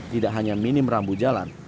tidak hanya minim rambu jalan